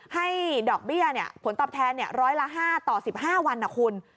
ให้ดอกเบี้ยผลตอบแทนร้อยละ๕ต่อ๑๕วันนะคุณ